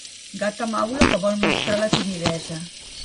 Gata maula que vol mostrar la timidesa.